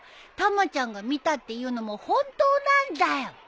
たまちゃんが見たっていうのも本当なんだよ。